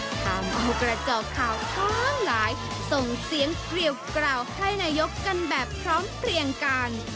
ทำเอากระจอกข่าวทั้งหลายส่งเสียงเกลียวกล่าวให้นายกกันแบบพร้อมเพลียงกัน